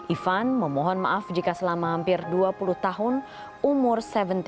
ivan memohon maaf jika selama hampir dua puluh tahun umur tujuh belas